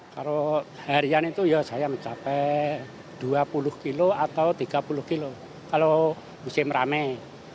kalau harian itu ya saya mencapai dua puluh kilo atau tiga puluh kilo kalau musim ramai